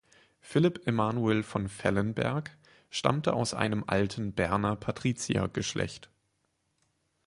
Philipp Emanuel von Fellenberg stammte aus einem alten Berner Patriziergeschlecht.